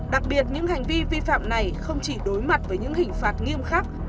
đặc biệt những hành vi vi phạm này không chỉ đối mặt với những hình phạt nghiêm khắc